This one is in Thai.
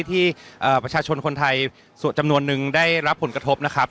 ที่ประชาชนคนไทยส่วนจำนวนนึงได้รับผลกระทบนะครับ